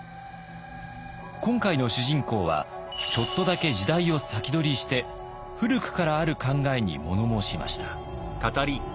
今回の主人公はちょっとだけ時代を先取りして古くからある考えに物申しました。